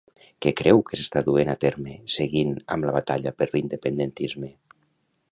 Què creu que s'està duent a terme, seguint amb la batalla per l'independentisme?